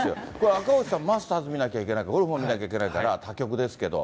赤星さん、マスターズ見なきゃいけないから、ゴルフも見なきゃいけないから、他局ですけど。